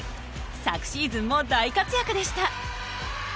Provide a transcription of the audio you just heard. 昨シーズンも大活躍でした。